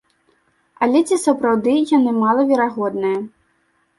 Але ці сапраўды яны малаверагодныя?